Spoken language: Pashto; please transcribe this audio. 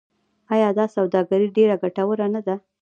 آیا دا سوداګري ډیره ګټوره نه ده؟